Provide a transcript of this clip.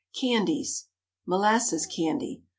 CANDIES. MOLASSES CANDY.